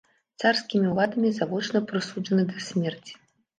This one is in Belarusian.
Царскімі ўладамі завочна прысуджаны да смерці.